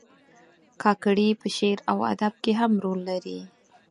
کاکړي په شعر او ادب کې هم رول لري.